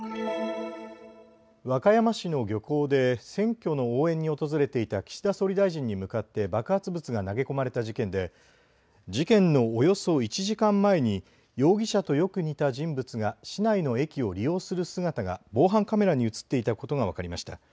和歌山市の漁港で選挙の応援に訪れていた岸田総理大臣に向かって爆発物が投げ込まれた事件で事件のおよそ１時間前に容疑者とよく似た人物が市内の駅を利用する姿が防犯カメラに写っていたことが分かりました。